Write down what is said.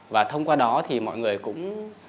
và thông qua đó thì mọi người cũng